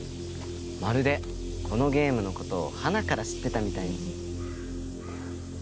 まるでこのゲームの事をはなから知ってたみたいに。